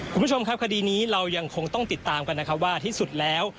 คุณผู้ชมครับคดีนี้เรายังคงต้องติดตามกันนะครับว่าที่สุดแล้ว